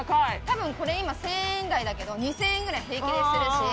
これ今１、０００円台だけど２、０００円ぐらい平気でするし。